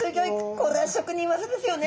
これは職人技ですよね。